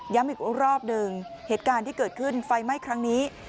อีกรอบหนึ่งเหตุการณ์ที่เกิดขึ้นไฟไหม้ครั้งนี้